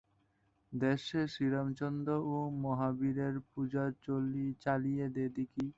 দেশে শ্রীরামচন্দ্র ও মহাবীরের পূজা চালিয়ে দে দিকি।